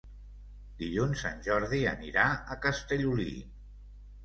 Dilluns en Jordi anirà a Castellolí.